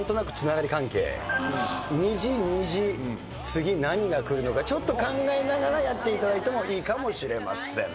『虹』『虹』次何がくるのかちょっと考えながらやっていただいてもいいかもしれません。